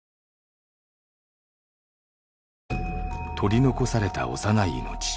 取り残された幼い命。